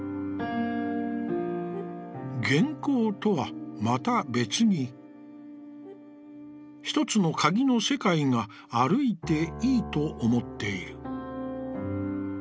「原稿とは、また別に一つの鍵の世界が歩いていいと思っている」。